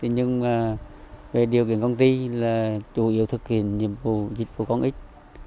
nhưng về điều kiện công ty là chủ yếu thực hiện nhiệm vụ dịch vụ công ích